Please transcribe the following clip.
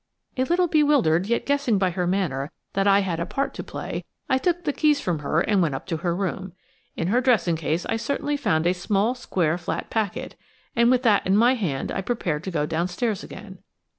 A little bewildered, yet guessing by her manner that I had a part to play, I took the keys from her and went up to her room. In her dressing case I certainly found a small, square, flat packet, and with that in my hand I prepared to go downstairs again.